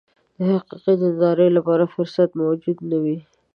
د حقیقي دیندارۍ لپاره فرصت موجود نه وي.